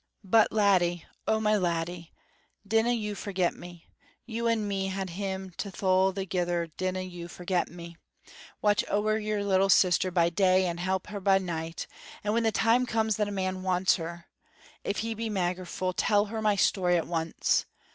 But laddie, oh, my laddie, dinna you forget me; you and me had him to thole thegither, dinna you forget me! Watch ower your little sister by day and hap her by night, and when the time comes that a man wants her if he be magerful, tell her my story at once.